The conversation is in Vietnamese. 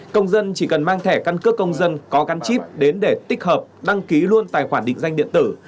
công dân chỉ cần mang thẻ căn cước công dân có gắn chip đến để tích hợp đăng ký luôn tài khoản định danh điện tử